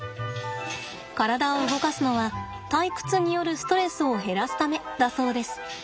体を動かすのは退屈によるストレスを減らすためだそうです。